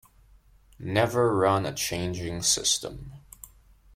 Never run a changing system.